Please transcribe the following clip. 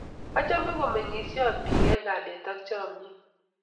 Achame komeng'isot biik eng' kalyet ak chomiet